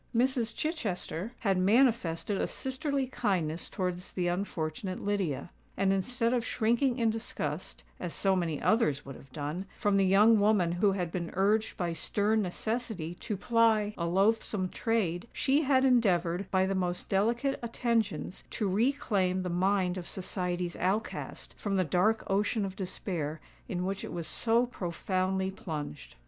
Mrs. Chichester had manifested a sisterly kindness towards the unfortunate Lydia; and, instead of shrinking in disgust, as so many others would have done, from the young woman who had been urged by stern necessity to ply a loathsome trade, she had endeavoured, by the most delicate attentions, to reclaim the mind of society's outcast from the dark ocean of despair in which it was so profoundly plunged.